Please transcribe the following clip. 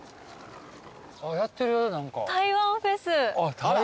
やってる何か。